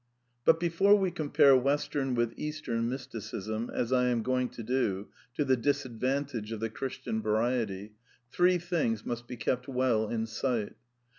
THE NEW MYSTICISM 2Y3 But before we compare Western with Eastern Mysti cism, as I am going to do, to the disadvantage of the Chris tian variety, t^ee things must be kept well in sight.